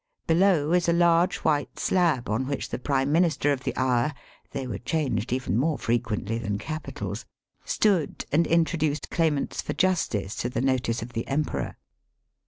Below is a large white slab on which the Prime Minister of the hour (they were changed even more frequently than capitals) stood and introduced claimants for justice to the notice of the Emperor.